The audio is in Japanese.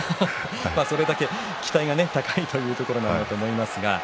それだけ期待が高いというところだと思います。